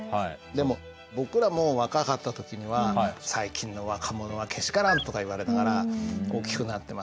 でも僕らも若かった時には「最近の若者はけしからん」とか言われながら大きくなってますから。